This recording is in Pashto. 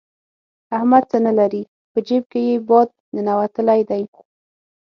احمد څه نه لري؛ په جېب کې يې باد ننوتلی دی.